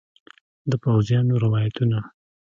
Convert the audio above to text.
د پوځیانو روایتونه